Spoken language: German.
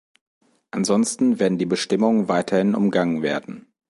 Ansonsten werden die Bestimmungen weiterhin umgangen werden.